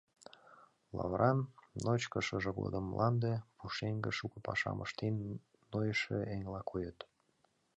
Лавыран, ночко шыже годым мланде, пушеҥге шуко пашам ыштен нойышо еҥла койыт.